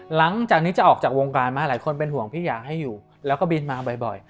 หลังจากนี้จะออกจากวงการมาหลายคนเป็นห่วงพี่อยากให้อยู่แล้วก็บินมาบ่อย